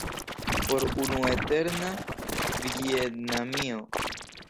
Por unu eterna Vjetnamio.